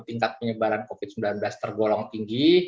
tingkat penyebaran covid sembilan belas tergolong tinggi